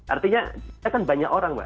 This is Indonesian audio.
artinya kan banyak orang mbak